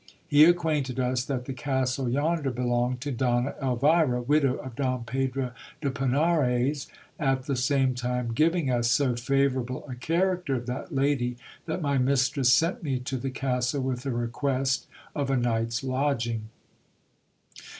He acquainted us that the castle yonder belonged to Donna Elvira, widow of Don Pedro de Penares ; at the same time giving us so favourable a character of that lady, that my mistress sent me to the castle with a request of a night's lodging.